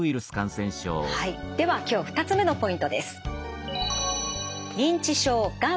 はいでは今日２つ目のポイントです。